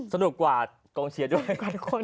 สนุกกว่ากองเชียร์ด้วย